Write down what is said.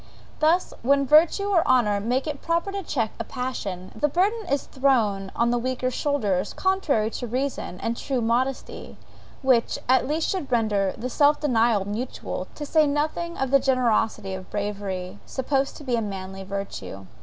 Thus when virtue or honour make it proper to check a passion, the burden is thrown on the weaker shoulders, contrary to reason and true modesty, which, at least, should render the self denial mutual, to say nothing of the generosity of bravery, supposed to be a manly virtue.